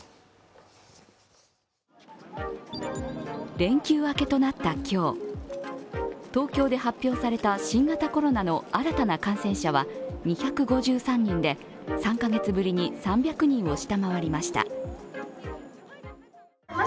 連休明けとなった今日東京で発表された新型コロナの新たな感染者は２５３人で３カ月ぶりに３００人を下回りました。